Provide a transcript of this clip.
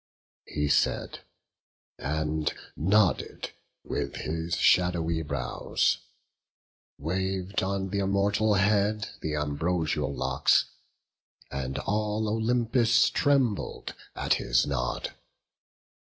He said, and nodded with his shadowy brows; Wav'd on th' immortal head th' ambrosial locks, And all Olympus trembled at his nod.